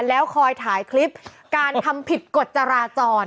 แล้วคอยถ่ายคลิปการทำผิดกฎจราจร